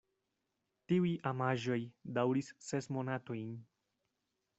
Tiuj amaĵoj daŭris ses monatojn.